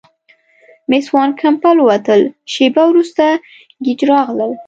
مېس وان کمپن ووتل، شیبه وروسته ګېج راغلل.